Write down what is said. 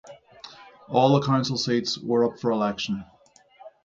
All the council seats were up for election.